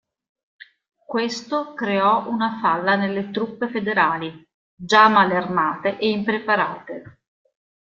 Questo creò una falla nelle truppe federali, già male armate e impreparate.